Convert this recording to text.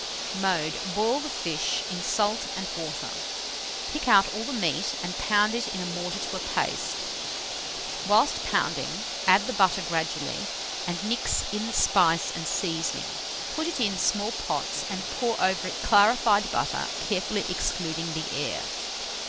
Mode. Boil the fish in salt and water; pick out all the meat and pound it in a mortar to a paste. Whilst pounding, add the butter gradually, and mix in the spice and seasoning. Put it in small pots, and pour over it clarified butter, carefully excluding the air.